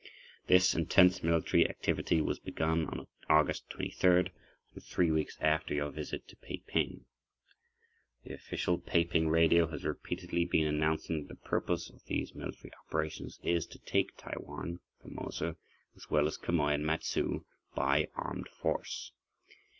This intense military activity was begun on August 23rd—some three weeks after your visit to Peiping. The official Peiping Radio has repeatedly been announcing that the purpose of these military operations is to take Taiwan (Formosa) as well as Quemoy and Matsu, by armed force.